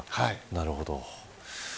なるほど。